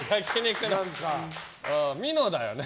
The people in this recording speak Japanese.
ミノだよね。